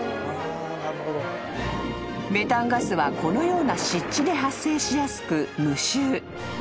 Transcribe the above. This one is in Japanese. ［メタンガスはこのような湿地で発生しやすく無臭］